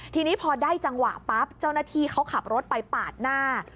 ทีนี้พอได้จังหวะปั๊บเจ้าหน้าที่เขาขับรถไปปาดหน้า